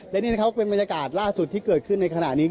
และนี่นะครับเป็นบรรยากาศล่าสุดที่เกิดขึ้นในขณะนี้